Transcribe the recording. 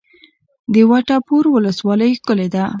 د وټه پور ولسوالۍ ښکلې ده